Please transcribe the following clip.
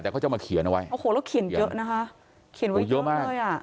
แต่เขาจะมาเขียนเอาไว้โอ้โหแล้วเขียนเยอะนะคะเขียนไว้เยอะมากเลยอ่ะ